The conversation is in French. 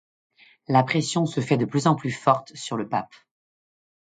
La pression se fait de plus en plus forte sur le pape.